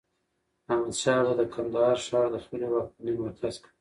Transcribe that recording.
احمد شاه بابا د کندهار ښار د خپلي واکمنۍ مرکز کړ.